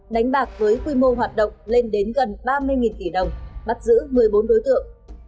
đánh bạc với quy mô hoạt động lên đến gần ba mươi tỷ đồng bắt giữ một mươi bốn đối tượng